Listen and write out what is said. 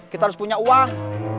kita harus punya uang